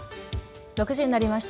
６時になりました。